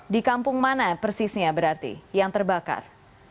di kampung mana persisnya berarti yang terbakar